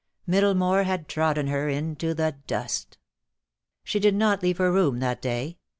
Middlemore had trodden her into the dust. She did not leave her room that day.